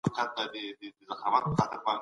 اسلام بشریت ته د ژوند سم لار ښيي.